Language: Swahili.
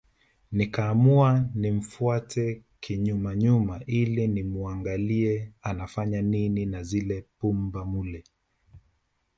Nikaamua nimfuate kinyuma nyuma ili nimuangalie anafanya nini na zile pumba mule